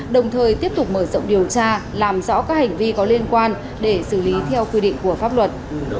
đồng thời tiếp tục mở rộng điều tra làm rõ các hành vi có liên quan để xử lý theo quy định của pháp luật